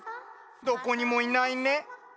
どこにもいないね。